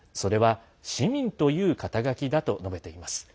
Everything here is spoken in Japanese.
それは市民という肩書だと述べています。